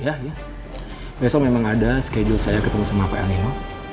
ya ya besok memang ada schedule saya ketemu sama pak elnino